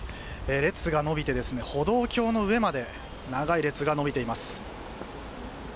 列が延びて歩道橋の上まで長い列が延びています。